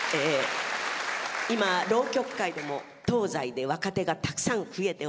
今浪曲界でも東西で若手がたくさん増えております。